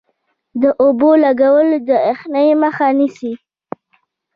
د اوبو لګول د یخنۍ مخه نیسي؟